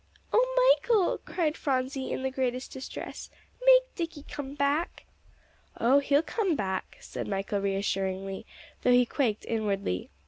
"Oh, Michael!" cried Phronsie in the greatest distress, "make Dicky come back." "Oh, he'll come back," said Michael reassuringly, though he quaked inwardly.